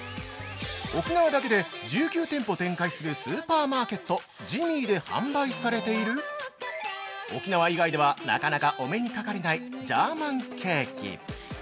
◆沖縄だけで１９店舗展開するスーパーマーケット「ジミー」で販売されている沖縄以外ではなかなかお目にかかれない「ジャーマンケーキ」。